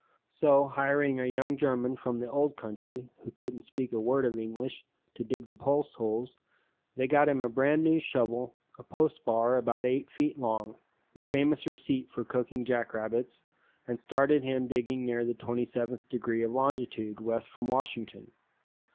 So hiring a young German from the Old Country, who couldn't speak a word of English, to dig the post holes, they got him a brand new shovel, a post bar about eight feet long, the famous receipt for cooking jackrabbits, and started him digging near the 27th degree of longitude west from Washington.